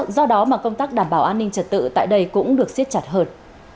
do đó mà công tác đảm bảo an ninh trật tự tại đây cũng được xiết chặt hơn